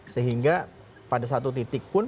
sehingga pada satu titik pun